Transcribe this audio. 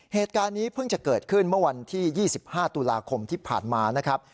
เหตุการณ์นี้เพิ่งจะเกิดขึ้นเมื่อวันที่๒๕ตุลาคมที่ผ่านมานะครับ